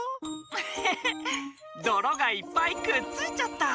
フフフどろがいっぱいくっついちゃった。